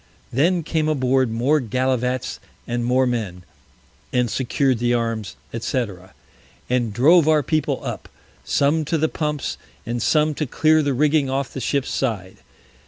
Then came aboard more Gallivats and more Men, and secured the Arms, &c. and drove our People up, some to the Pumps, and some to clear the Rigging off the Ship's Side.